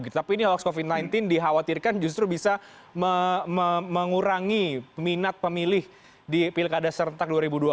tapi ini hoax covid sembilan belas dikhawatirkan justru bisa mengurangi minat pemilih di pilkada serentak dua ribu dua puluh